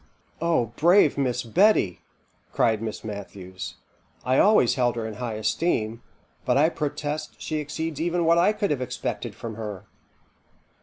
'" "O brave Miss Betty!" cried Miss Matthews; "I always held her in high esteem; but I protest she exceeds even what I could have expected from her."